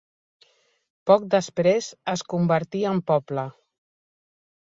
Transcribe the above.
Poc després es convertí en poble.